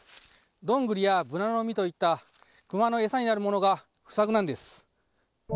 ドングリやブナの実といった、クマの餌になるものが不作なんです。